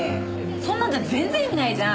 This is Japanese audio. そんなんじゃ全然意味ないじゃん！